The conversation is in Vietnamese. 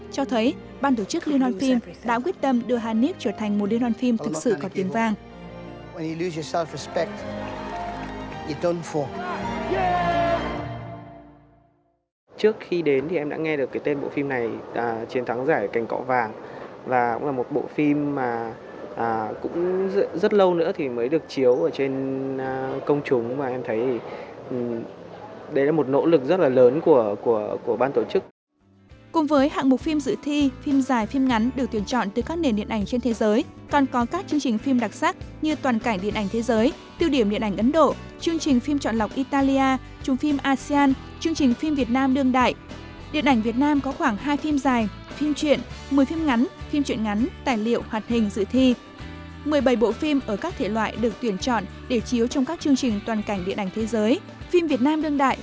cho thấy ban tổ chức liên hoàn phim đã quyết tâm đưa harnick trở thành một liên hoàn phim thực sự có tiếng vang